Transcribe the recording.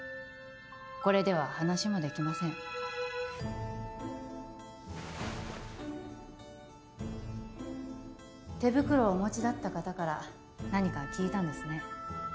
これでは話もできません手袋をお持ちだった方から何か聞いたんですね